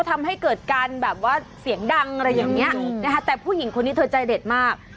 ทำให้เกิดการแบบว่าเสียงดังอะไรอย่างนี้นะคะแต่ผู้หญิงคนนี้เธอใจเด็ดมาก